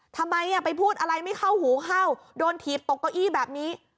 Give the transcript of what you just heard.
ทำไมไปพูดอะไรไม่เข้าหูเข้าโดนถีบตกเก้าอี้แบบนี้